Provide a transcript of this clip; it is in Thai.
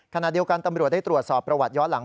ขณะเดียวกันตำรวจได้ตรวจสอบประวัติย้อนหลัง